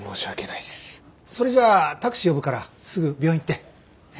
それじゃあタクシー呼ぶからすぐ病院行って。